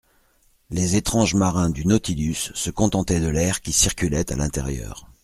Les étranges marins du Nautilus se contentaient de l'air qui circulait à l'intérieur.